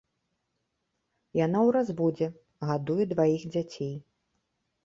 Яна ў разводзе, гадуе дваіх дзяцей.